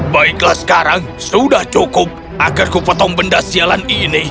baiklah sekarang sudah cukup agar kupotong benda sialan ini